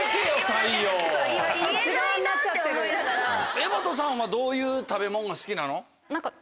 柄本さんはどういう食べ物が好きなの？